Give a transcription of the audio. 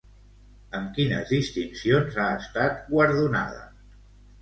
Amb quines distincions ha estat guardonada?